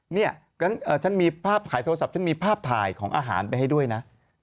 เนี่ยฉันมีภาพถ่ายโทรศัพท์ฉันมีภาพถ่ายของอาหารไปให้ด้วยนะ